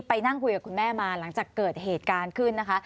ไปนั่งคุยกับคุณแม่มาหลังจากเกิดเหตุการณ์ขึ้นนะคะ